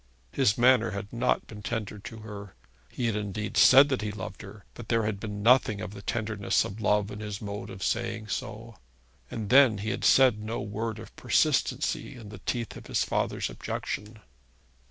His manner had not been tender to her. He had indeed said that he loved her, but there had been nothing of the tenderness of love in his mode of saying so; and then he had said no word of persistency in the teeth of his father's objection.